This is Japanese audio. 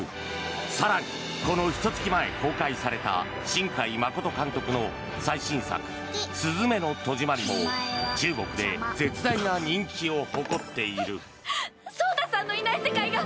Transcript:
更に、このひと月前に公開された新海誠監督の最新作「すずめの戸締まり」も中国で絶大な人気を誇っている。